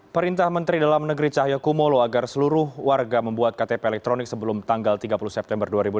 perintah menteri dalam negeri cahyokumolo agar seluruh warga membuat ktp elektronik sebelum tanggal tiga puluh september dua ribu enam belas